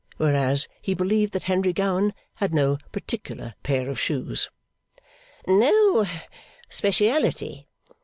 Whereas, he believed that Henry Gowan had no particular pair of shoes. 'No speciality?